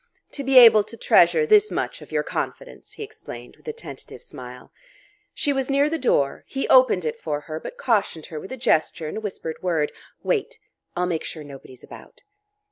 "To be able to treasure this much of your confidence," he explained with a tentative smile. She was near the door; he opened it for her, but cautioned her with a gesture and a whispered word: "Wait. I'll make sure nobody's about."